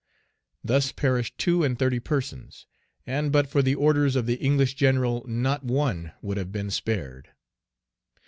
Thus perished two and thirty persons, and but for the orders of the English general not one would have been spared.